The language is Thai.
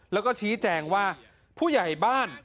แล้วก็ชี้แจงว่าผู้ใหญ่บ้าน